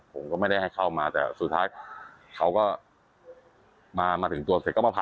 ผมก็ไม่ได้ให้เข้ามาแต่สุดท้ายเขาก็มาถึงตัว